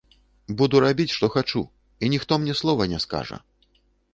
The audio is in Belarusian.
Буду рабіць што хачу, і ніхто мне слова не скажа.